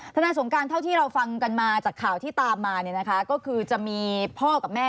นายสงการเท่าที่เราฟังกันมาจากข่าวที่ตามมาเนี่ยนะคะก็คือจะมีพ่อกับแม่